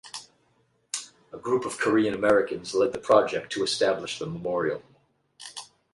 A group of Korean Americans led the project to establish the Memorial.